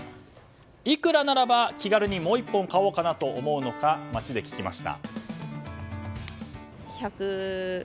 いくらならば、気軽にもう１本買おうかなと思うのか街で聞きました。